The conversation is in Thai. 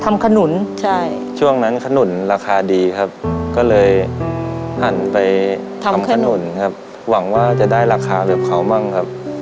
ขนุนใช่ช่วงนั้นขนุนราคาดีครับก็เลยหันไปทำขนุนครับหวังว่าจะได้ราคาแบบเขาบ้างครับ